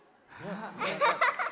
アハハハハ！